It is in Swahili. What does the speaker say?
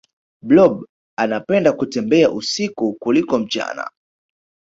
blob anapenda kutembea usiku kuliko mchana